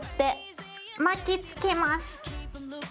巻きつけます。